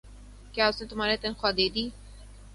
۔کیا اس نے تمہار تنخواہ دیدی؟